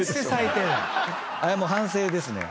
あれも反省ですね。